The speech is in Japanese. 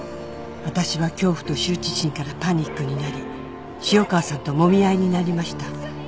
「私は恐怖と羞恥心からパニックになり潮川さんともみ合いになりました」